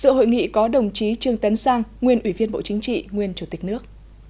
sự hội nghị có đồng chí trương tấn sang nguyên ủy viên bộ chính trị nguyên chủ tịch nước